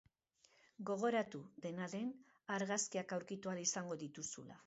Gogoratu, dena den, argazkiak aurkitu ahal izango dituzula.